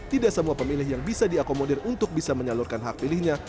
tidak semua pemilih yang bisa diakomodir untuk bisa menyalurkan hak pilihnya